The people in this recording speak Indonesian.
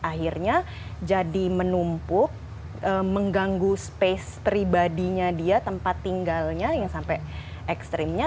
akhirnya jadi menumpuk mengganggu space pribadinya dia tempat tinggalnya yang sampai ekstrimnya